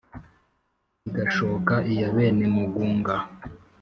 igashoka iy abenemugunga